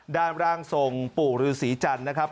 ด้านร่างทรงปู่ฤษีจันทร์นะครับ